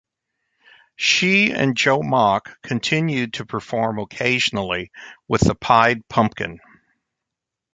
She and Joe Mock continued to perform occasionally with The Pied Pumkin.